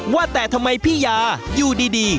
ว่าแต่ทำไมพี่ยาอยู่ดี